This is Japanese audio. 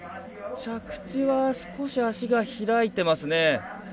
着地は少し足が開いてますね。